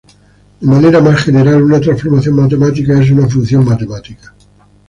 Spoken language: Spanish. De manera más general una transformación matemática es una función matemática.